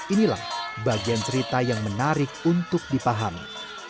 inilah bagian cerita yang menarik untuk dipahami